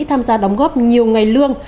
tham gia đóng góp nhiều ngày lương